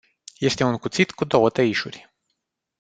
Este un cuțit cu două tăișuri.